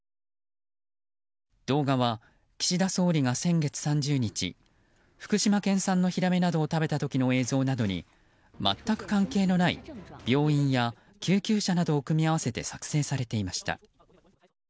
動画は、岸田総理が先月３０日福島県産のヒラメなどを食べた時の映像などに全く関係のない病院や救急車などを組み合わせて作成されていました。